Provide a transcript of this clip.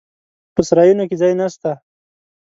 په سرایونو کې ځای نسته.